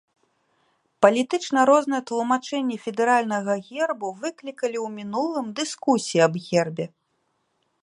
Палітычна розныя тлумачэнні федэральнага гербу выклікалі ў мінулым дыскусіі аб гербе.